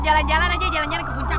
jalan jalan aja jalan jalan ke puncak